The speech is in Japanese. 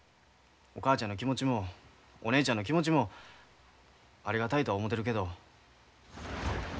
お母ちゃんの気持ちもお姉ちゃんの気持ちもありがたいとは思うてるけど。